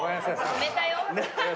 止めたよ。